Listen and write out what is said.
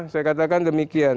saya katakan demikian